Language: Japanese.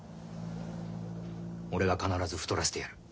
俺が必ず太らせてやる。